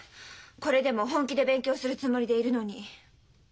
これでも本気で勉強するつもりでいるのに。